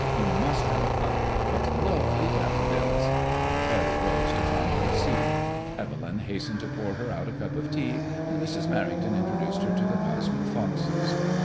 You must have a cup. What lovely daffodils !" Parry rose to find her a seat. Evelyn hastened to pour her out a cup of tea, and Mrs. Merring ton introduced her to the Cosmo Poxes.